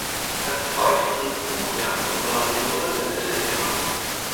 Es folgten U-Jagd-Operationen im Mittelmeer.